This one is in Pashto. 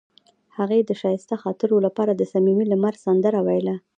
هغې د ښایسته خاطرو لپاره د صمیمي لمر سندره ویله.